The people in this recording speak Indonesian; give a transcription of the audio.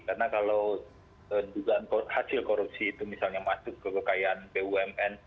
karena kalau hasil korupsi itu misalnya masuk ke kekayaan bumn